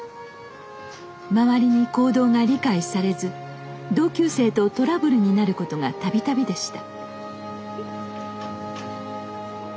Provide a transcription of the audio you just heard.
周りに行動が理解されず同級生とトラブルになることがたびたびでした。